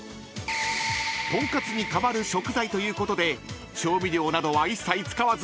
［トンカツに代わる食材ということで調味料などは一切使わず］